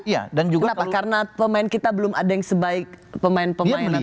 iya dan juga karena pemain kita belum ada yang sebaik pemain pemain naturalisasi